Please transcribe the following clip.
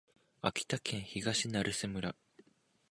秋田県東成瀬村